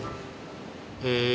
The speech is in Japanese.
え